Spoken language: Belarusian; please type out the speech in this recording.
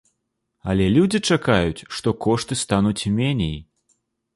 Але людзі чакаюць, што кошты стануць меней.